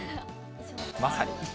まさに。